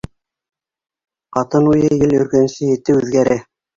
Ҡатын уйы ел өргәнсе ете үҙгәрә.